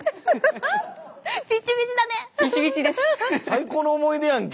最高の思い出やん